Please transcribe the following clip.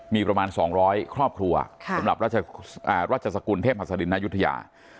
มีประมาณ๒๐๐ครอบครัวสำหรับราชสกุลเทพหัสดินนายุธยา